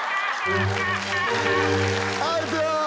アウトー！